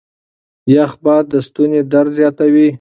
يخ باد د ستوني درد زياتوي.